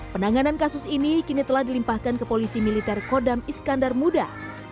penanganan kasus ini kini telah dilimpahkan ke polisi militer kodam iskandar muda